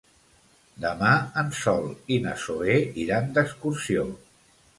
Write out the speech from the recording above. Demà en Sol i na Zoè iran d'excursió.